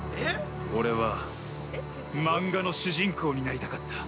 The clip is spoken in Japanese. ◆俺は、漫画の主人公になりたかった。